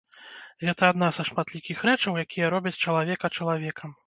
Гэта адна са шматлікіх рэчаў, якія робяць чалавека чалавекам.